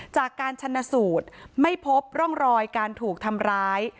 จากการชนสูตรไม่พบร่องรอยการถูกทำร้าย